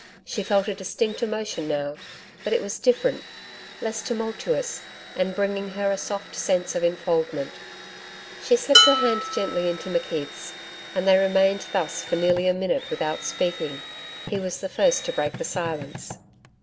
She felt a distinct emotion now, but it was different less tumultuous, and bringing her a soft sense of enfoldment. She slipped her hand gently into McKeith's, and they remained thus for nearly a minute without speaking. He was the first to break the silence.